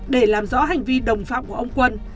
để làm rõ hành vi đồng phạm của ông quân